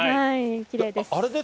きれいです。